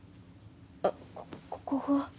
あっこここは？